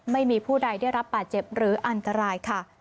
ไม่มีผู้ใดได้รับบาดเจ็บหรืออันตรายค่ะ